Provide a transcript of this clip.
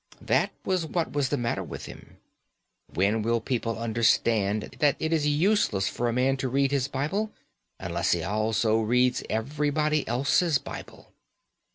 That was what was the matter with him. When will people understand that it is useless for a man to read his Bible unless he also reads everybody else's Bible?